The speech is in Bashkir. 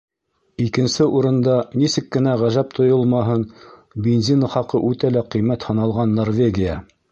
Икенсе урында, нисек кенә ғәжәп тойолмаһын, бензин хаҡы үтә лә ҡиммәт һаналған Норвегия.